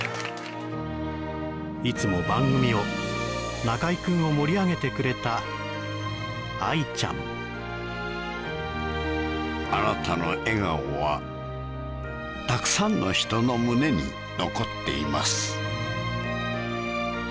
いつも番組を中居くんを盛り上げてくれた愛ちゃんあなたの笑顔はたくさんの人の胸に残っています